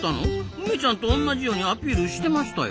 梅ちゃんと同じようにアピールしてましたよ。